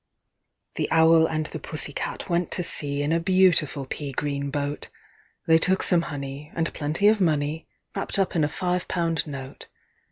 The Owl and the Pussy Cat went to sea In a beautiful pea green boat, They took some honey, and plenty of money, Wrapped up in a five pound note.